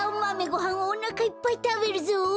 ごはんをおなかいっぱいたべるぞ！